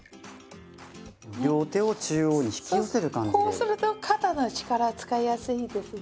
こうすると肩の力使いやすいですね。